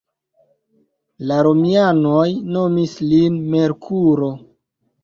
La romianoj nomis lin Merkuro.